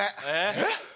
えっ！